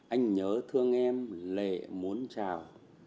anh nhớ thương em lệ muốn chào